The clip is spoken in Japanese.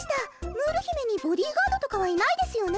ムール姫にボディーガードとかはいないですよね？